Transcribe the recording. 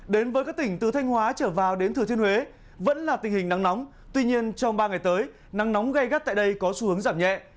đến với các tỉnh từ thanh hóa trở vào đến thừa thiên huế vẫn là tình hình nắng nóng tuy nhiên trong ba ngày tới nắng nóng gây gắt tại đây có xu hướng giảm nhẹ